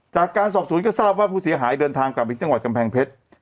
จากการสอบสวนก็ทราบว่าผู้เสียหายเดินทางกลับไปที่จังหวัดกำแพงเพชร